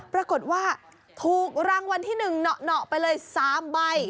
ปรากฏว่าถูกรางวัลที่๑เหนาะไปเลย๓ใบ